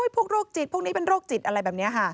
โรคจิตพวกนี้เป็นโรคจิตอะไรแบบนี้ค่ะ